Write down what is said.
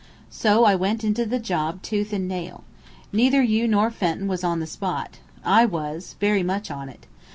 So I went into the job tooth and nail. Neither you nor Fenton was on the spot. I was very much on it.